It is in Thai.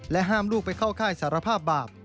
ห้ามลูกไปเข้าค่ายสารภาพบาป